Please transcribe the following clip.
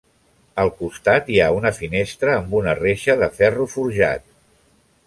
Al costat hi ha una finestra amb una reixa de ferro forjat.